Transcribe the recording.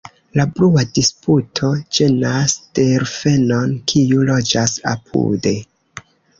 La brua disputo ĝenas delfenon kiu loĝas apude.